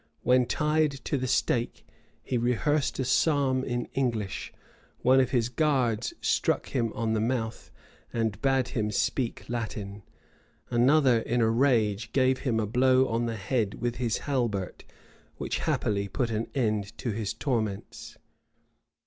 When tied to the stake, he rehearsed a psalm in English: one of his guards struck him on the mouth, and bade him speak Latin: another, in a rage, gave him a blow on the head with his halbert, which happily put an end to his torments.